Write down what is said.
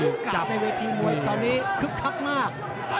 มันจะลุกกลับในเวทีมวยตอนนี้คึกคับมาก